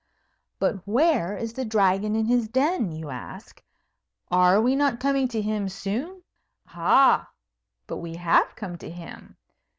But where is the Dragon in his den? you ask. Are we not coming to him soon? Ah, but we have come to him.